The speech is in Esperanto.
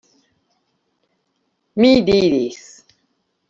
Mi diris.